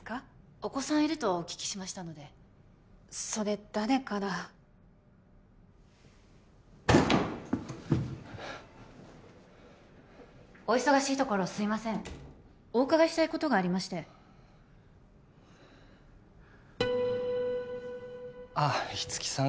お子さんいるとお聞きしましたのでそれ誰からお忙しいところすいませんお伺いしたいことがありましてあっ五木さん